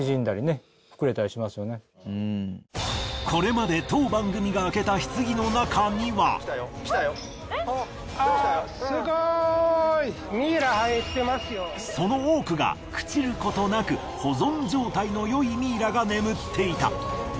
これまでその多くが朽ちることなく保存状態の良いミイラが眠っていた。